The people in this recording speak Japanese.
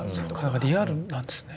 リアルなんですね。